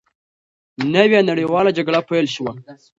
نوې نړیواله جګړه پیل شوه.